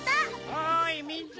おいみんな！